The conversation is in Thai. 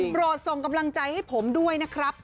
โปรดส่งกำลังใจให้ผมด้วยนะครับ